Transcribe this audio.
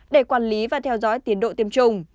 để quản lý và theo dõi tiến độ tiêm chủng